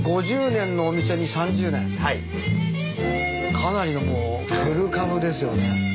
かなりのもう古株ですよね。